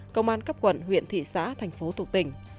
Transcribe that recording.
công an cấp quận huyện thị xã thành phố thuộc tỉnh